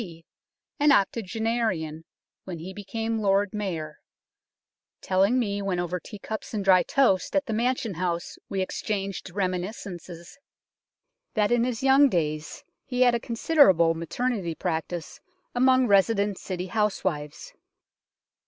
D., an octogenarian when he became Lord Mayor, telling me when over tea cups and dry toast at the Mansion House we exchanged reminiscences, that in his young days he had a considerable maternity practice among resident City housewives.